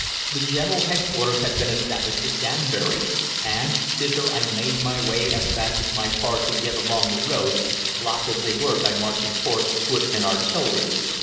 The general headquarters had been established at Danbury, and, thither I made my way as fast as my car could get along the roads, blocked as they were by marching horse, foot, and artillery.